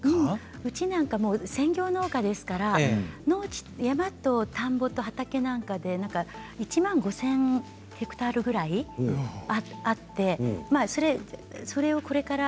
うちは専業農家ですから山と田んぼと畑なんかで１万５０００ヘクタールぐらいあってそれを、これから。